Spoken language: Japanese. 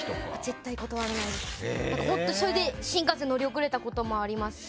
本当それで新幹線乗り遅れたこともありますし。